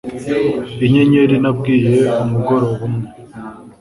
Inyenyeri nabwiye umugoroba umwe